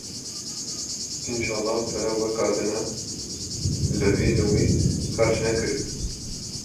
Înşallah pere weka dîna li vî li wî xerc nekiribe!’’